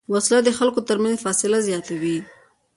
وسله د خلکو تر منځ فاصله زیاتوي